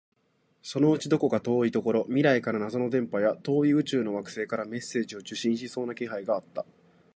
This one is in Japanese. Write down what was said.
そのうちどこか遠いところ、未来から謎の電波や、遠い宇宙の惑星からメッセージを受信しそうな気配があった